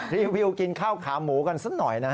รีวิวกินข้าวขาหมูกันสักหน่อยนะฮะ